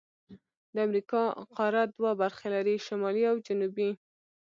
د امریکا قاره دوه برخې لري: شمالي او جنوبي.